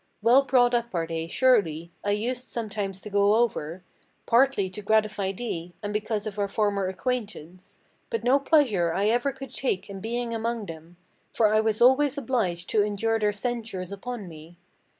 Well brought up are they, surely! I used sometimes to go over, Partly to gratify thee, and because of our former acquaintance: But no pleasure I ever could take in being among them; For I was always obliged to endure their censures upon me.